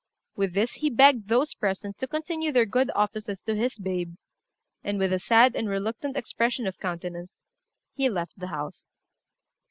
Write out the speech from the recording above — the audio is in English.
With this he begged those present to continue their good offices to his babe; and, with a sad and reluctant expression of countenance, he left the house.